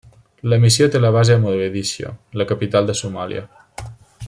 La missió té la base a Mogadiscio, la capital de Somàlia.